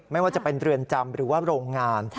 ไม่ว่าจะเป็นเรือนจำหรือว่าโรงงาน